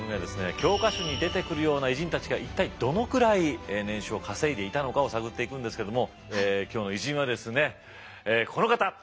教科書に出てくるような偉人たちが一体どのくらい年収を稼いでいたのかを探っていくんですけども今日の偉人はですねこの方